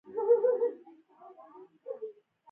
دا ښځه ما له هغه وخته پیژانده.